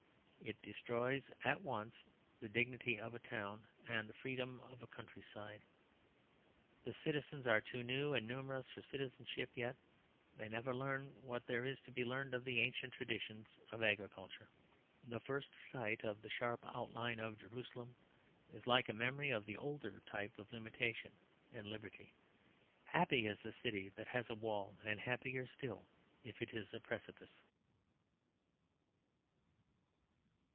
It destroys at once the dignity of a town and the freedom of a countryside. The citizens are too new and numerous for citizenship; yet they never learn what there is to be learned of the ancient traditions of agriculture. The first sight of the sharp outline of Jerusalem is like a memory of the older types of limitation and liberty. Happy is the city that has a wall; and happier still if it is a precipice.